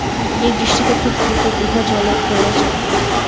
এই বৃষ্টিতে খুব দ্রুত গুহা জলে ভরে যাবে।